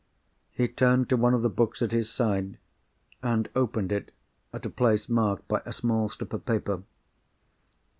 He turned to one of the books at his side, and opened it at a place marked by a small slip of paper.